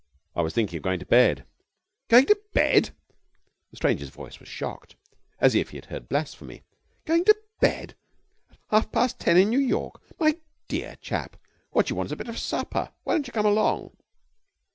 'I was thinking of going to bed.' 'Going to bed!' The stranger's voice was shocked, as if he had heard blasphemy. 'Going to bed at half past ten in New York! My dear chap, what you want is a bit of supper. Why don't you come along?'